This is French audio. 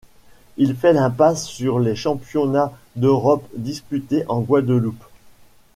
Il fait l'impasse sur les championnats d'Europe disputés en Guadeloupe.